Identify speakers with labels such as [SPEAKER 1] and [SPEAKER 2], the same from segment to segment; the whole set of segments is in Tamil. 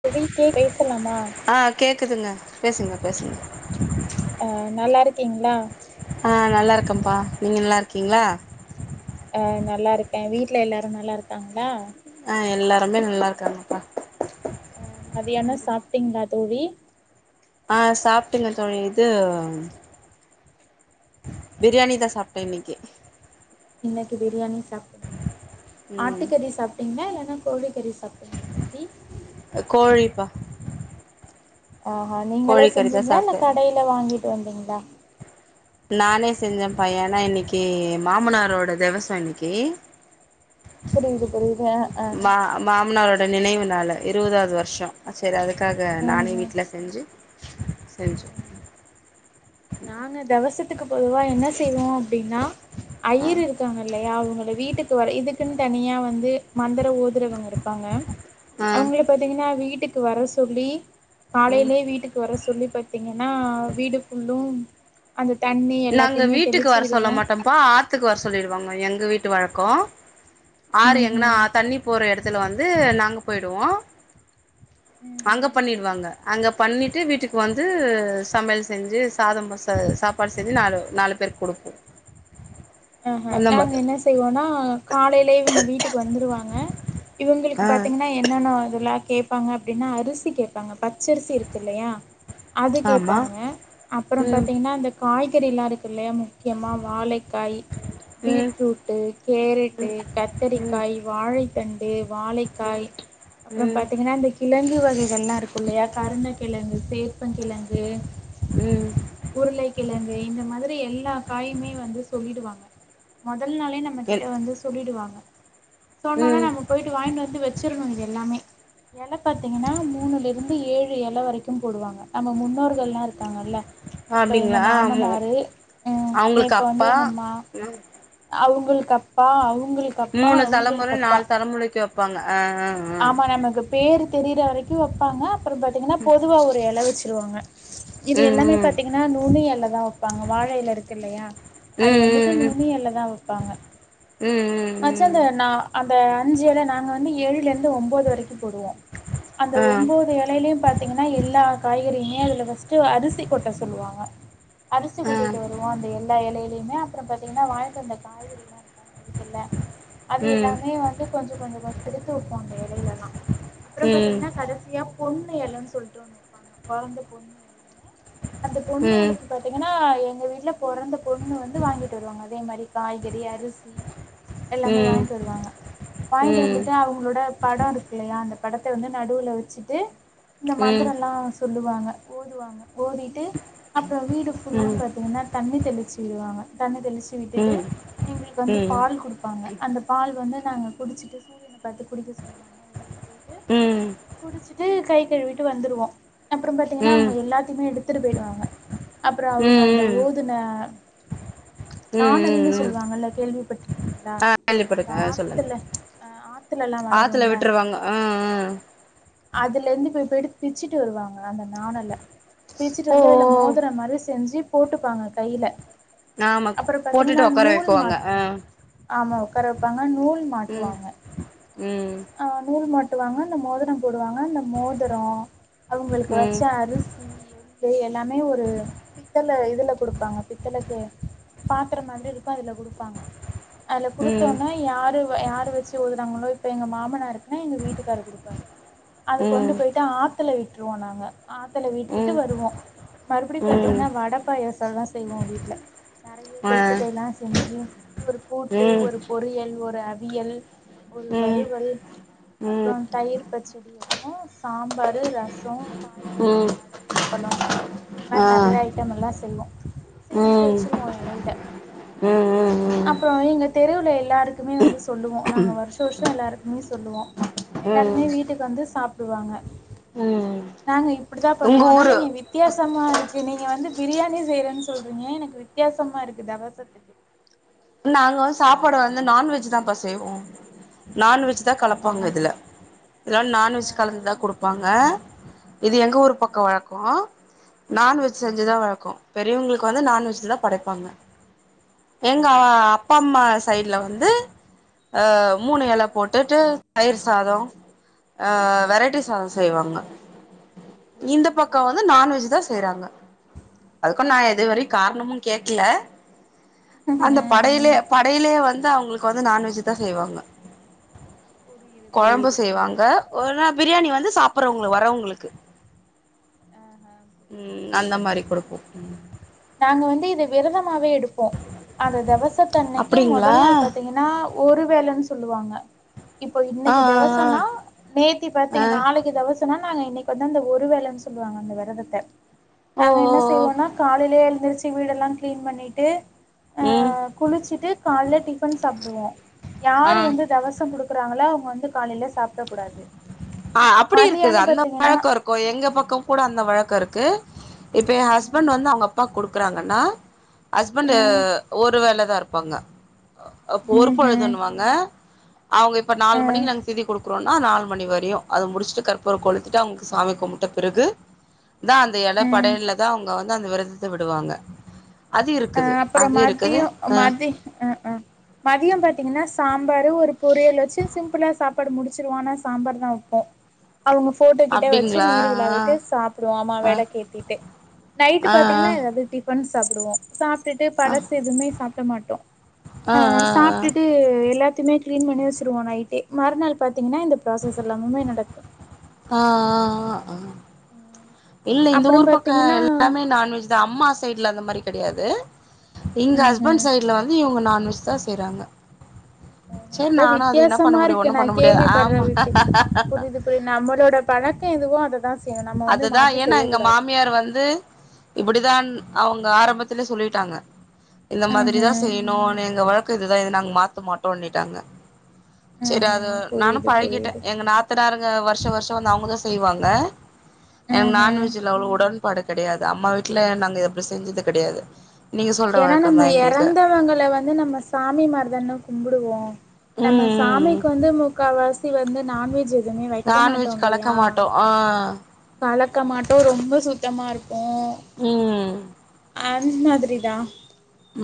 [SPEAKER 1] குரிக்கே பேசலாமா
[SPEAKER 2] க்குதுங்க பேசுங்க பேசுங்க
[SPEAKER 1] அ நல்லா இருக்கீங்களா
[SPEAKER 2] ஆ நல்லா இருக்கன்ப்பா நீங்க நல்லா இருக்கீங்களா
[SPEAKER 1] அ நல்லா இருக்கேன் வீட்ல எல்லாரும் நல்லா இருக்காங்களா
[SPEAKER 2] ஆ எல்லாருமே நல்லா இருக்காங்கப்பா
[SPEAKER 1] அ மதியானம் சாப்ட்டீங்களாத் தோழி
[SPEAKER 2] ஆ சாப்ட்டுங்க தோழி இதும் பிரியாணி தான் சாப்ட்டேன் இன்னிக்கி
[SPEAKER 1] இன்னைக்கி பிரியாணி சாப்ட்டீங்களா
[SPEAKER 2] ம்
[SPEAKER 1] ஆட்டுக்கறி சாப்ட்டீங்களா இல்லனா கோழிக்கறி சாப்டிங்களா தோழி
[SPEAKER 2] கோழிப்பா
[SPEAKER 1] ஆஹா நீங்களே
[SPEAKER 2] கோழி கறி தா
[SPEAKER 1] செஞ்சீங்களா இல்ல
[SPEAKER 2] சாப்ட்டே
[SPEAKER 1] கடையில வாங்கி [unintelligible]
[SPEAKER 2] நானே செஞ்சேன் பையன இன்னைக்கி மாமனாரோட தெவசம் இன்னிக்கி
[SPEAKER 1] புரியுது புரியுது ஆ ஆ
[SPEAKER 2] மாமனாரோட நினைவு நாள இருவதாவது வருஷம் அ சரி அதுக் க்காக
[SPEAKER 1] ம்
[SPEAKER 2] நானே
[SPEAKER 1] ம்
[SPEAKER 2] வீட்டுல செஞ்சு செஞ்சு ம்
[SPEAKER 1] நாங்க தெவசத் த்துக்கு பொதுவா என்ன செய்வோம் அப்டின்னா
[SPEAKER 2] ஆ
[SPEAKER 1] அய்யர் இருக்காங்கல்லையா அவங்க ங்கள் வீட்டுக்கு வர இதுக்குன் தனியா வந்து மந்திர ஊதுறவங்க இருப்பாங்க
[SPEAKER 2] ஆ
[SPEAKER 1] அவங்களையு பாத்தீங்கன்னா வீட்டுக் க்கு வர சொல்லி காலைலியே வீட்டுக்கு வர சொல்லி பாத்தீங்க னா வீடுப் புல்லூ அந்தத்
[SPEAKER 2] நாங்க வீட்டுக்கு வர சொல்ல மாட்டம்ப்பா ஆத்துக்கு வர சொல்லிருவாங்க எங்க வீட் ட்டு வழக்கோ ஆறு
[SPEAKER 1] ம்
[SPEAKER 2] எங்கனா
[SPEAKER 1] ம்
[SPEAKER 2] தண்ணி போற எடத்துல வந் து நாங்க போய்டுவோ
[SPEAKER 1] ம்
[SPEAKER 2] அங்க
[SPEAKER 1] ம்
[SPEAKER 2] பண்ணிடுவாங்க அங்கப் பண்ணிட்டு வீட்டுக்கு வந்து ஸ் சமையல் செஞ்சு சாதம் ப ச சாப் பாடு செஞ்சி நாலு நாலு பேருக் குடுப்போ
[SPEAKER 1] அ ஹ
[SPEAKER 2] அந்த மா
[SPEAKER 1] நாங்க என்ன செய்வோனா காலைலே இவுங்க வீட்டுக்கு வந்துருவாங்க இவுங்குளுக்கு
[SPEAKER 2] ஆ
[SPEAKER 1] பாத்தீங்கன்னா என்னென்னா இது லேக் கேப்பாங்க அப்டின்னா அரிசி கேப்பாங்க பச்சரிசி இருக்குல்லையா அது
[SPEAKER 2] ஆமா
[SPEAKER 1] கேப்பாங்க அப்பறம்
[SPEAKER 2] ம்
[SPEAKER 1] பாத்தீங்கன்னா அ காய் காய்கறி எல்லா இருக்குல்லையா முக்கியமா வாழைக்காய்
[SPEAKER 2] ம்
[SPEAKER 1] பீட்ரூட்டு் கேரட்டு் கத்தரிக்காய் வாழைத்தண் எ வாழைக்காய் அப்றம்
[SPEAKER 2] ம்
[SPEAKER 1] பாத்தீங்கன்னா இந்த கிழங்கு வகைகள்லா இருக்குல்லையா கருண கிழங்கு சே ப்பங் கிழங்கு
[SPEAKER 2] ம்
[SPEAKER 1] உருளை கிழங்கு இந்த மாதிரி எல்லா காயுமே வந்து சொல்லிடுவாங்க ம தல்நாளே நம்ம கிட்ட
[SPEAKER 2] என்
[SPEAKER 1] வந்து சொல்லிடுவாங்க சொன்னொனே
[SPEAKER 2] ம்
[SPEAKER 1] நம்ம போயிட்டு வாய்ங்ட்டு வந்து வெச்சிரணு இது எல்லாமே எழ பாத்தீங்கன்னா மூணுல இருந்து ஏழு எழ வரைக்கும் போடுவாங்க நம்ம முன்னோர்கள்லாருக் க்காங்கள்ல இப்ப எங்க
[SPEAKER 2] அப்டிங்களா மு
[SPEAKER 1] மாமனாரு உம்
[SPEAKER 2] அவங்களுக்கு
[SPEAKER 1] இப்ப வந்து
[SPEAKER 2] அப்பா
[SPEAKER 1] எங்க மா அவுங்குளுக் அப்பா அவு
[SPEAKER 2] மூணு தலமுற நாலு தலமுறைக்கி வெப்பாங்க
[SPEAKER 1] ஆமா நமக்கு பேரு தெரிற வரைக்கு வெப்பாங்க அப்பறம் பாத்தீங்கன்னா பொதுவா ஒரு எழவெச்சு த்ருவாங்க இது
[SPEAKER 2] ம்
[SPEAKER 1] எல்லாமே
[SPEAKER 2] ம்
[SPEAKER 1] பாத்தீங்கன்னா நுனி எழ்ல தா வெப்பாங்க வாழ எழ இருக்குல்லையா அது வந்துட்டு
[SPEAKER 2] ம்
[SPEAKER 1] நுனி எழ்ல தா வெப்பாங்க
[SPEAKER 2] ம் ம் ம் ம்
[SPEAKER 1] மச்ச
[SPEAKER 2] ம்
[SPEAKER 1] அந்த நா அ த அஞ்சு எழ நாங்க வந்து ஏழுலந் ஒம்போது வரைக்கு போடுவோ அந்த
[SPEAKER 2] ஆ
[SPEAKER 1] ஒம்போது எலையிலயு பாத்தீங்கன்னா எல்லா காய்கறியுமே அதுல பஸ்டு அரிசி கொட்ட சொல்லுவாங்க அரிசி
[SPEAKER 2] ஆ
[SPEAKER 1] கொட்டிட்டு வருவோம் அந்த எல்லா எலயிலே [unintelligible] அப்புறம் பாத்தீங்கன்னா வாங்கிட்டு வந்த காய்கறி எல்லாம் இருக்கா இல்ல அது
[SPEAKER 2] ம்
[SPEAKER 1] எல்லாமே வந்து கொஞ்ச கொஞ்ச கொஞ்ச எடுத்து வேலையில தான் அப்புறம்
[SPEAKER 2] ம்
[SPEAKER 1] பாத்தீங்கன்னா கடைசியா பொண்ணு எலன்னு சொல்ட்டு ஒன்னு வைப்பாங்க பொறந்த பொண்ணு இ அந்த பொண்ணு
[SPEAKER 2] ம்
[SPEAKER 1] எலைக்கு பாத்தீங்கன்னா எங்க வீட்டு பொறந்த பொண்ணு வந்து வாங்கிட்டு வருவாங்க அதே மாரி காய்கறி அரிசி எல்லாமே
[SPEAKER 2] ம்
[SPEAKER 1] வாங்கிட்டு வருவாங்க வாங்கிட்டு
[SPEAKER 2] ம்
[SPEAKER 1] வந்துட்டு அவுங்க உங்களோட படம் இருக்கு இல்லையா அந்த படத்த வந்து நடுவுல வச்சுட்டு இந்த
[SPEAKER 2] ம் ம்
[SPEAKER 1] மந்திரம் எல்லாம் சொல்லுவாங்க ஓதுவாங்க ஓதிட்டு அப்புறம் வீடு ஃபுல்லும்
[SPEAKER 2] ம்
[SPEAKER 1] பார்த்திங்கன்னா தண்ணி தெளிச்சி விடுவாங்க தண்ணி தெளிச் ச்சி
[SPEAKER 2] ம்
[SPEAKER 1] விட்டுட்டு
[SPEAKER 2] ம்
[SPEAKER 1] எங்களுக்கு
[SPEAKER 2] ம்
[SPEAKER 1] வந்து
[SPEAKER 2] ம்
[SPEAKER 1] பால் கொடுப்பாங்க அந்த பால் வந்து நாங்க குடிச்சிட்டு சூரியன பத்து குடிக்க சொல்லுவாங்க வெளில போயிட்டு குடிச்சுட்டு கை ழுவிட்டு வந்துருவோ அப்புறோ பாத்தீங்கன்னா
[SPEAKER 2] ம்
[SPEAKER 1] அவங்க எல்லாத்தையுமே எடுத்துட்டு போயிடுவாங்க அப்புறோ அவங்க அந்த
[SPEAKER 2] ம் ம்
[SPEAKER 1] ஓதுன நாணல்னு
[SPEAKER 2] ம்
[SPEAKER 1] சொல்லுவாங்கல்ல கேள்விப்பட்டருக்கீங்களா
[SPEAKER 2] ஆ
[SPEAKER 1] இங்கக்க
[SPEAKER 2] கேள்விப்பட்ருக்கே சொல்லுங்க
[SPEAKER 1] ஆத்துல அஹ் அத்
[SPEAKER 2] ஆத்துல விட்டுருவாங்க ஹம் ஹம்
[SPEAKER 1] அதுல இருந்து போய் போயிட்டு பிச்சுட்டு வருவாங்க அந்த நாணல பிச்சுட்டு
[SPEAKER 2] ஓ
[SPEAKER 1] வந்து அதுல
[SPEAKER 2] ஓ
[SPEAKER 1] மோதரம் மாரி செஞ்சு போட்டுப்பாங்க கையில
[SPEAKER 2] ஆமா
[SPEAKER 1] அப்புற பாத்தீங்கன்னா
[SPEAKER 2] போட்டுட்டு ஒக்கார
[SPEAKER 1] நூல்
[SPEAKER 2] வைக்குவாங்க ஆ
[SPEAKER 1] மாட்டுவா ஆமா உட்கார வைப்பாங்க நூல்
[SPEAKER 2] ம்
[SPEAKER 1] மாட்டுவாங்க
[SPEAKER 2] ம்
[SPEAKER 1] ஆஹ் நூரு ம வாங்க அந்த மோதரோ போட் வாங்க அந்த மோதிரோ அவங்களுக்கு வச்ச
[SPEAKER 2] ம்
[SPEAKER 1] அரிசி எல்லாமே ஒரு பித்தள இதுல கொடுப்பாங்க பித்தளைக்கு பாத்திர மாரி இருக் ப்ப அதுல குடுப்பாங்க அதுல குடுத்த
[SPEAKER 2] ம்
[SPEAKER 1] உடனே யாரு வ் யாரு வெச்சு ஓதுறாங்களோ இப் இப்ப எங்க மாமனாரு ன எங்க வீட்டுக்காரு குடுப்பாரு அதை கொண்டு
[SPEAKER 2] ம்
[SPEAKER 1] போயிட்டு ஆத்துல விட் விட்ருவோ நாங்க ஆத்துல
[SPEAKER 2] ம்
[SPEAKER 1] விட்டுட்டு
[SPEAKER 2] ம்
[SPEAKER 1] வருவோ மறுபடி பாத்தீங்கன்னா வட பாயசல்லா செய்வோ வீட்டுல நெறைய
[SPEAKER 2] ஆ
[SPEAKER 1] தொட்டுக்க எல்லா செஞ்சு ஒரு கூட்டு
[SPEAKER 2] ம்
[SPEAKER 1] ஒரு பொரியல் ஒரு அ வியல்
[SPEAKER 2] ம் ம்
[SPEAKER 1] வறுவல் அப்றோ
[SPEAKER 2] ம்
[SPEAKER 1] தயிர் பச்சடி ஓ சா சாம்பாரு ரசோ பாயசம் வடையப்பளம் இந்த மாரி
[SPEAKER 2] ஆ
[SPEAKER 1] நெறைய ஐட்டம் மல்லாம் செய்வோ
[SPEAKER 2] ம்
[SPEAKER 1] செஞ்சு
[SPEAKER 2] ம்
[SPEAKER 1] வச்சிருவோ எலையில
[SPEAKER 2] ம் ம் ம்
[SPEAKER 1] அப்பறோ இங்க தெருவுல்ல எல்லாருக்குமே வந்து சொல்லுவோ நாங்க வ [unintelligible] எல்லாருக்குமே சொல்லுவோ எல்லாருமே வீட்டுக்கு வந்து சாப்டுவாங்க
[SPEAKER 2] ம்
[SPEAKER 1] நாங்க அப்டிதா
[SPEAKER 2] உங்க
[SPEAKER 1] பண்ணுவோ ஆனா
[SPEAKER 2] ஊரு
[SPEAKER 1] நீங்க வித்தியாச வித்தியசமா இருக்கு நீங்க வந்து பிரியாணி செய்யறேன்னு சொல்றீங்க எனக்கு வித்தியாசமா இருக்கு தவசத்துக்கு
[SPEAKER 2] நாங்க வந்து சாப்பாடு வந்து நான்வெஜ் தாப்பா செய்வோம் நான்வெஜ் தா
[SPEAKER 1] ஆஹா
[SPEAKER 2] கலப்பாங்க இதுல இதல்லாம் நான்வெஜ்
[SPEAKER 1] ஆஹா
[SPEAKER 2] கலந்துதான்
[SPEAKER 1] உங்
[SPEAKER 2] கொடுப்பாங்க இது எங்க ஊர்
[SPEAKER 1] ஆஹா
[SPEAKER 2] பக்கம் வழக்கம் நான்வெஜ்
[SPEAKER 1] ம்ஹும்
[SPEAKER 2] செஞ்சுதான் வழக்கம் பெரியவங்களுக்கு வந்து நான்வெஜ் தா
[SPEAKER 1] ம்
[SPEAKER 2] படைப்பாங்க என்
[SPEAKER 1] ஆஹா
[SPEAKER 2] அ மூணு
[SPEAKER 1] ஆ
[SPEAKER 2] எல போட்டுட்டு தயிர் சாதம் அ வெரைட்டி சாத செய்வாங்க இந்த பக்கம் வந்து நான்வெஜ் தான் செய்றாங்க அதுக்கும் நான் எதுவரை காரணமும் கேக்ல
[SPEAKER 1] ம்ஹும்
[SPEAKER 2] அந்த
[SPEAKER 1] ம்
[SPEAKER 2] படையிலயே
[SPEAKER 1] ம்.
[SPEAKER 2] படையிலேயே வந்து சா அவுங்களுக்கு வந்து நான்வெஜ்தா செய்வாங்க கொழம்பு செய்வாங்க ஒரு நா பிரியாணி வந்து சாப்புறவங்களு வரவுங்களுக்கு
[SPEAKER 1] ஆ ஆ புரியுது
[SPEAKER 2] ம் அந்த
[SPEAKER 1] புரியுது
[SPEAKER 2] மாரி குடுப்போ
[SPEAKER 1] நாங்க வந்து தே விரதம் மாவே எடுப்போ அந்த தவச தன்னைக்கும்
[SPEAKER 2] அப்டிங்களா
[SPEAKER 1] முதல் நாள் பா்த்தீங்கன்னா ஒருவேலன்னு சொல்லுவாங்க இப்போ
[SPEAKER 2] ஆ
[SPEAKER 1] இன்னைக்கி
[SPEAKER 2] ஆ ஆ
[SPEAKER 1] தெவசொனா நேத்தி பாத்தீங்க நாளைக்கி தெவசொனா நாங்க இன்னைக்கி வந்து அந்த ஒரு வேல சொல்லுவாங்க அந்த வெரதத்த
[SPEAKER 2] ஓ
[SPEAKER 1] நாங்க
[SPEAKER 2] ஓ
[SPEAKER 1] என்ன
[SPEAKER 2] ஓ
[SPEAKER 1] செய்வோனா காலையிலயே எழுந்திருச்சு வீடெல்லாம் கிளீன் பண்ணிட்டு அ
[SPEAKER 2] ம்
[SPEAKER 1] குளிச்சுட்டு கால்ல டிஃபன் சாப்புடுவோ யாரு
[SPEAKER 2] ஆ
[SPEAKER 1] வந்து தெவசோ கொடுக் குடுக்குறாங்களா அவுங்க வந்து காலையில சாப்ட கூடாது
[SPEAKER 2] அ அப்புடி இருக்குது
[SPEAKER 1] மதியானோ
[SPEAKER 2] அந்த
[SPEAKER 1] பாத்தீங்கன்னா
[SPEAKER 2] பழக்கோ இருக்கு எங்க பக்கம் கூட அந்த வழக்கோ இருக்கு இப்ப ஏ ஹஸ்பண்ட் வந்து அவுங்க அப்பாக் குடுப் குடுக்குறாங்கண்ணா ஹஸ்பண்ட்
[SPEAKER 1] ம்
[SPEAKER 2] ஒரு வேலதா இரு பங்க. அ அப்ப ஒரு
[SPEAKER 1] ம் ம்
[SPEAKER 2] பொழுதுண்ணுவாங்க. அவுங்க இப்ப நாலு மணிக்கி
[SPEAKER 1] ம்
[SPEAKER 2] நாங்க திதி குடுக் குடுக்குறோன்னா நாலு மணி வரையு அத முடிச்சுட்டு கற்பூரம் கொழித்திட்டு அவுங்க சாமி கும்புட்ட பிறகு தா அந்த இல
[SPEAKER 1] ம்
[SPEAKER 2] படையலதா அவுங்க வந்து ந்தா வெரதத்த விடுவாங்க. அது
[SPEAKER 1] அ
[SPEAKER 2] இருக்குது
[SPEAKER 1] அப்பறோ
[SPEAKER 2] அது இருக்குது
[SPEAKER 1] மதியோ
[SPEAKER 2] ஆ
[SPEAKER 1] மதி அ ஆ மதியோ பாத்தீங்கன்னா சாம்பாரு ஒரு பொரியல் வச்சு சிம்புளா சாப்பாடு முடிச்சுருவோ ஆனா சாம்பார்தா வப்போ அவுங்க போட்டோ கிட்ட வச்சு
[SPEAKER 2] அப்படிங்களா
[SPEAKER 1] நீர் விலாவிட்டு சாப்புடுவோம் ஆமா
[SPEAKER 2] ஆ
[SPEAKER 1] வெளக்கு ஏத்திட்டு நைட்டு
[SPEAKER 2] ஆ
[SPEAKER 1] பாத்தீங்கன்னா எதாவது டிபன் சப் சாப்டுவோ சாப் டுட்டு
[SPEAKER 2] ஆ ஆ ஆ
[SPEAKER 1] பழசு எதுவுமே சாப் ப்ட மாட்டோ
[SPEAKER 2] ஆ
[SPEAKER 1] அ
[SPEAKER 2] ஆ ஆ
[SPEAKER 1] சாப்டுட்டு எல்லாத் த்துமே கிளீன் பண்ணி வெச்சுருவோ நைட்டே மறுநாள் பாத்தீங்ன்னா இந்த ப்ராசஸ் எல்லாமுமே நடக்கு
[SPEAKER 2] ஆஹ் ஆஹ் ஆஹ் ஆஹ் இல்ல இந்த
[SPEAKER 1] அப்புறோ
[SPEAKER 2] ஊர் பக்கோ
[SPEAKER 1] பாத்தீங்கன்னா
[SPEAKER 2] எல்லாமே நான்வெஜ் தா அம்மா சைட்ல அந்த மாரி கெடையாது இங்க
[SPEAKER 1] ம்
[SPEAKER 2] ஹஸ்பண்ட்
[SPEAKER 1] ம்
[SPEAKER 2] சைட்ல வந்து இவங்க நான் [unintelligible] தா செய்றாங்க
[SPEAKER 1] ஹேஹ
[SPEAKER 2] சேரி
[SPEAKER 1] அதா
[SPEAKER 2] நானு அது என்ன பண்ண
[SPEAKER 1] வித்தியாசமா
[SPEAKER 2] முடியு
[SPEAKER 1] இருக்கு
[SPEAKER 2] ஒண்ணு
[SPEAKER 1] நா
[SPEAKER 2] பண்ண முடியாது
[SPEAKER 1] கேள்விப்பட்ற [inaudible]
[SPEAKER 2] ஆமா
[SPEAKER 1] புரியிது புரியிது நம்மளோட பழக்கோ எதுவோ அத தா செ
[SPEAKER 2] அது தா ஏன்னா எங்க மாமியார் வந்து இப்படிதான் அவங்க ஆரம்ப த்லே சொல்லிட்டாங்க இந்த மாதிரி தா
[SPEAKER 1] ம்ஹும்
[SPEAKER 2] செய்யணுனு எங்க வழ க்கோ இது தா இத நாங்க மாத்த மாட்டோல்லிட்டாங்க. சேரி அது
[SPEAKER 1] ம்ஹும்
[SPEAKER 2] நானு
[SPEAKER 1] புரியுது
[SPEAKER 2] பழகிட்டே
[SPEAKER 1] புரியுது
[SPEAKER 2] எங்க நாத்தனாருங்க வர்ஷ வர்ஷோ வந்து அவங்க தா செய்வாங்க எனக் நான்
[SPEAKER 1] ம்ஹும்
[SPEAKER 2] வெஜ்ல அவ்ளோ உட டன்பாடு கெடையாது அம்மா வீட்ல நாங்க அப்டி செஞ்சது கெடையாது நீங்க சொல்ற
[SPEAKER 1] ஏனா
[SPEAKER 2] வழக்கந்தா
[SPEAKER 1] நம்ம
[SPEAKER 2] எங்களுக்கு
[SPEAKER 1] எறந்தவங்கள வந்து நம்ம சாமி மார் தான கும்பு டுவோ
[SPEAKER 2] ம்
[SPEAKER 1] நம்ம
[SPEAKER 2] ம்
[SPEAKER 1] சாமிக் வந்து முக்காவாசி வந்து நான்வெஜ்ஜு
[SPEAKER 2] நான்வெஜ் கலக்க மாட்டோ ஆஹ்
[SPEAKER 1] கலக்க மாட்டோ ரொம்ப சுத்தமா இருப்
[SPEAKER 2] உம்
[SPEAKER 1] அந் மாதிரி தா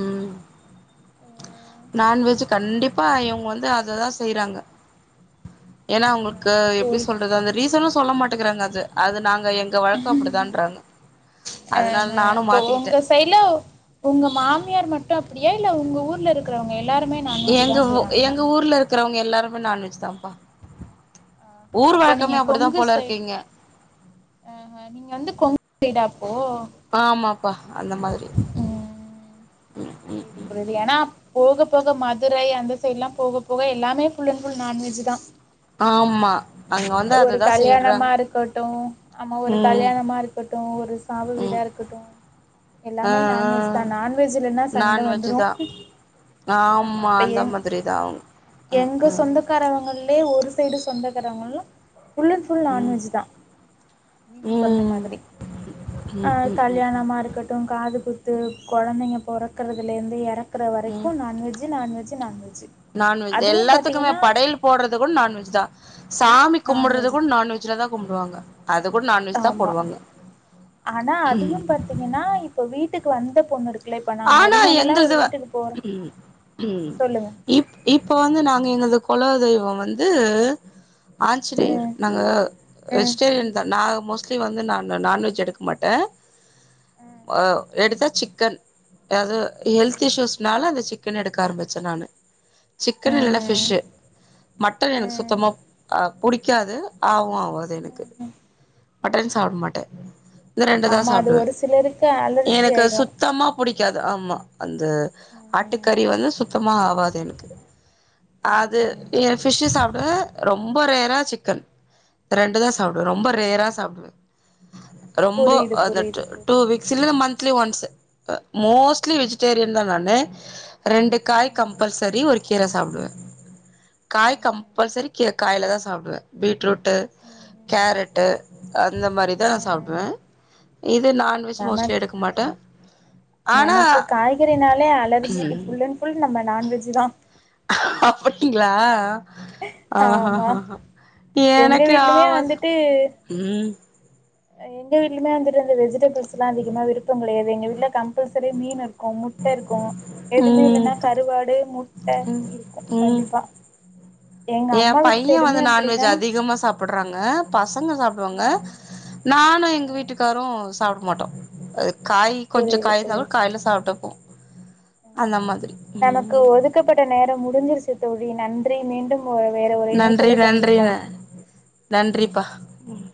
[SPEAKER 2] உம்
[SPEAKER 1] ஆ
[SPEAKER 2] நான்வெஜ்ஜு கண்டிப்பா இவ்ங்க வந்து அத தா செய்றாங்க ஏனா அவங்களுக்கு எப்டி
[SPEAKER 1] போரு
[SPEAKER 2] சொல்றது அந்த ரீசனு சொல்ல மாட்டுக்கிறாங்க அது அது நாங் எங்க வழக்கோ அப்டிதான்றாங்க அதுனால
[SPEAKER 1] ஆஹ
[SPEAKER 2] நானு
[SPEAKER 1] இப்போ
[SPEAKER 2] மாத்திக்கிட்டே
[SPEAKER 1] உங்க சைட்ல உங்க மாமியார் மட்டு அப்டியா இல்ல உங்க ஊர்ல இருக்கறவங்க
[SPEAKER 2] எங்க உ எங்க ஊர்லருக்கறவங்க எல்லாரு நான்வெஜ் தாம்ப்பா
[SPEAKER 1] ஆ ஆ அப்ப நீங்க கொங்கு சைட்
[SPEAKER 2] இங்க
[SPEAKER 1] ஆ ஆ நீங்க வந்து கொங் சைடா அப்போ
[SPEAKER 2] ஆமாப்பா அந்த மாதிரி ம் ம்
[SPEAKER 1] புரிது புரிது எனா போக போக மதுரை அந்த சைட்லா போக போக எல்லாமே ஃபுல் அண்ட் ஃபுல் நான்வெஜ்ஜு தா
[SPEAKER 2] ஆமா அங்க வந்து
[SPEAKER 1] ஒரு
[SPEAKER 2] அததா
[SPEAKER 1] கல்யாணமா
[SPEAKER 2] செய்றாங்க
[SPEAKER 1] இருக்கட்டு ஆமா ஒரு
[SPEAKER 2] ம்
[SPEAKER 1] கல்யாணமா இருக்கட்டு ஒரு சாவு வீடா
[SPEAKER 2] ம்
[SPEAKER 1] இருக்கட்டு எல்லாமே நான்வெஜ் தா நான்வெஜ் இல்லனா
[SPEAKER 2] நான்வெஜ்ஜு தா ஆமா
[SPEAKER 1] இப்ப
[SPEAKER 2] அந்த
[SPEAKER 1] எங்
[SPEAKER 2] மாதிரி தா அவுங்க ஹூ ஹூ
[SPEAKER 1] லே ஒரு சைடு சொந்தக்காரங்களா ஃபுல் அண்ட் ஃபுல்
[SPEAKER 2] ம் ம்
[SPEAKER 1] நான்வெஜ்ஜு தா நீங்க
[SPEAKER 2] ம்
[SPEAKER 1] சொன்ன
[SPEAKER 2] ம்
[SPEAKER 1] மாதிரி ஆ
[SPEAKER 2] ம் ம் ம்
[SPEAKER 1] கல்யாணமா இருக்கட்டு காது கு து கொழந்தைங்க பொற க்கர்தலேந்து எற
[SPEAKER 2] உம் நான்வெஜ்
[SPEAKER 1] அதுவு
[SPEAKER 2] எல்லாத்துக்குமே
[SPEAKER 1] பாத்தீங்கன்னா
[SPEAKER 2] படயல் போட்றது கூட நான்வெஜ்ஜு தா சா சாமி கும்முடுற்து
[SPEAKER 1] நான்வெஜ்
[SPEAKER 2] கூட
[SPEAKER 1] தா
[SPEAKER 2] நான்வெஜ்ல தா கும்முடுவாங்க
[SPEAKER 1] ஆமா ஆனா அதையு பாத்தீங்கனா இப்ப வீட்டு கு வந்த பொண்ணு எடு
[SPEAKER 2] ஆனா எங்கள்துல
[SPEAKER 1] சொல்லுங்க
[SPEAKER 2] இப் இப்ப வந்து நாங்க எங்கள்த கொல தெய்வோ வந்து ஆஞ்சிநேயர்
[SPEAKER 1] ம்
[SPEAKER 2] நாங்க
[SPEAKER 1] ம்
[SPEAKER 2] வெஜிடேரியன் தா நா மோஸ் இட்லி வந்து ந நான்வெஜ் எடுக்க மாட்ட
[SPEAKER 1] ம்
[SPEAKER 2] [unintelligible] எடுத்த சிக்கன் ஏதோ ஹெல்த்
[SPEAKER 1] ம்
[SPEAKER 2] இஷூஸ்னால அந்த சிக் க்கன் எடுக்க ஆரம்பச்ச நானு சிக்கன்
[SPEAKER 1] ம்
[SPEAKER 2] இல்லனா ஃபிஷ் மட்டன்
[SPEAKER 1] ம்
[SPEAKER 2] எனக்கு சுத்தமா
[SPEAKER 1] ம்
[SPEAKER 2] அ புடிக்காது ஆவு அ போது எனக்கு
[SPEAKER 1] ம்
[SPEAKER 2] மட்டன்
[SPEAKER 1] ம்
[SPEAKER 2] சாப்ட மாட்ட இந்த ரெண்டு தா
[SPEAKER 1] ஆமா அது
[SPEAKER 2] சாப்டுவே
[SPEAKER 1] ஒரு சிலருக்கு அலர்ஜி
[SPEAKER 2] எனக்கு
[SPEAKER 1] ஆயிடு
[SPEAKER 2] சுத்தமா புடிக்காது ஆமா அந்த ஆட்டுக்கறி வந்து சு சுத்தமா ஆவாது எனக்கு அது என் பிஷ்சு சாப்டுவே ரொம் ரொம்போ ரேரா சிக்கன் ரெண்டு தா சாப்டுவே ரொம்ப ரேரா சாப்டுவே ரொம்போ
[SPEAKER 1] புரியுது
[SPEAKER 2] அத
[SPEAKER 1] புரியுது
[SPEAKER 2] டு டூ
[SPEAKER 1] புரியுது
[SPEAKER 2] வீக்ஸ் சில மந்த் மன்த்லி ஒன்ஸ்சு அ மோஸ்ட்லி வெஜிடேரியன் தா நானு ரெண்டு காய் கம்பல்சரி ஒரு கீர சாப்டுவே காய் கம்பல்சரி கீர காய்யில தா சாப்டுவே பீட்ரூட் டு கேரட்டு அந்த மாரி தா நா சாப்டுவே இது நான்வெஜ் மோஸ்ட்லி
[SPEAKER 1] நமக்
[SPEAKER 2] எடுக்க மாட்டே ஆனா
[SPEAKER 1] நமக்கு
[SPEAKER 2] ம்
[SPEAKER 1] நான்வெஜ்ஜு தா
[SPEAKER 2] அப்படிங்களா அ அ
[SPEAKER 1] ஆமா
[SPEAKER 2] அ அ
[SPEAKER 1] எங்க
[SPEAKER 2] எனக்கு
[SPEAKER 1] வீட்லயுமே
[SPEAKER 2] ஆவாது ம்
[SPEAKER 1] அ எங்க வீட்டுலுமே வந்துட் இந்த வெஜு டேபிள்ஸ்லா அதிகமா விருப்போ கெடையாது எங்க வீட் இல்ல கம் பசரி மீன் இருக்கோ முட்ட இருக்கோ எதுமே
[SPEAKER 2] ம்
[SPEAKER 1] இல்லனா கருவாடு முட்ட இருக்கோ கண்டிப்பா எங்க
[SPEAKER 2] ஏ
[SPEAKER 1] அம்மா வீட்டு
[SPEAKER 2] பைய வந்து
[SPEAKER 1] சைடுமே
[SPEAKER 2] நான்வெஜ்
[SPEAKER 1] அப்டிதா
[SPEAKER 2] அதிகமா சாப்பிட்றாங்க பசங்க சாப்டுவாங்க நானு எங்க வீட்டுக்கரோ சாப்டமாட்டோ காய் கொஞ்ச காய் இருந்தாலு காய்ல சாப்டுப்போ
[SPEAKER 1] அ அ நமக்கு
[SPEAKER 2] ம்
[SPEAKER 1] ஒதுக்கப்பட்ட நேரோ முடிஞ்சிருச் சு தோழி நன்றி மீண்டும் வேற ஒரு
[SPEAKER 2] நன்றி
[SPEAKER 1] இணைப்புல
[SPEAKER 2] நன்றி
[SPEAKER 1] சந்திப்போம்
[SPEAKER 2] நா நன்றிப்பா உம்